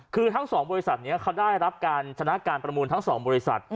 คือทั้ง๒บริษัทนี้เขาได้รับการชนะการประมูลทั้ง๒บริษัท